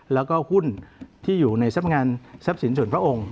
แล้วก็หุ้นที่อยู่ในสำงานทรัพย์สินส่วนพระองค์